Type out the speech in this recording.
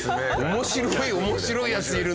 面白い面白いヤツいるな。